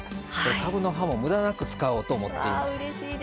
かぶの葉もむだなく使おうと思っています。